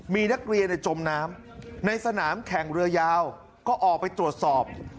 มีนักเรียนจมน้ำในสนามแข่งเรือยาวก็ออกไปตรวจสอบ